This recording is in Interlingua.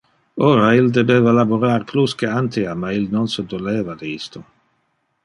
Ora il debeva laborar plus que antea, ma il non se doleva de isto.